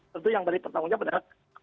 tentu yang dari bertanggung jawab adalah